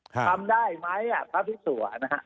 ทำได้ไหมพระพิสัวนะฮะ